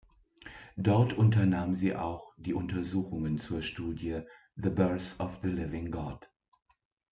Dort unternahm sie auch die Untersuchungen zur Studie „The Birth of the Living God“.